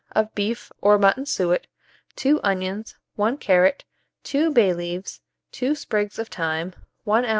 of beef or mutton suet, 2 onions, 1 carrot, 2 bay leaves, 2 sprigs of thyme, 1 oz.